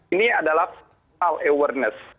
ini adalah personal awareness